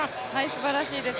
すばらしいです。